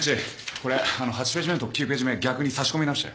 これあの８ページ目と９ページ目逆に差し込み直して。